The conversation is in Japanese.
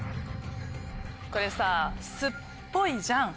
これさ。